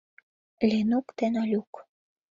ЛЕНУК ДЕН ОЛЮК